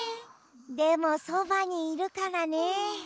でもそばにいるからね。